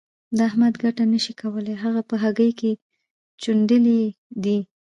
له احمده ګټه نه شې کولای؛ هغه په هګۍ کې چوڼېدلی دی.